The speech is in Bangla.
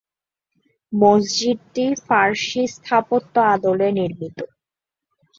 মসজিদটি ফার্সি স্থাপত্য আদলে নির্মিত।